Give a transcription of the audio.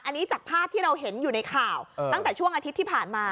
อันนี้จากภาพที่เราเห็นอยู่ในข่าวตั้งแต่ช่วงอาทิตย์ที่ผ่านมา